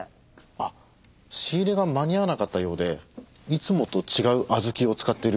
あっ仕入れが間に合わなかったようでいつもと違う小豆を使っているみたいです。